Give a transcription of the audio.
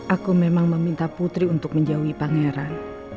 aku memang meminta putri untuk menjauhi pangeran